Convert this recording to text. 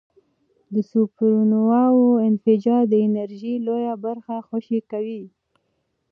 د سوپرنووا انفجار د انرژۍ لویه برخه خوشې کوي.